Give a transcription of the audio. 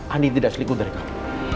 andin tidak selingkuh dari kamu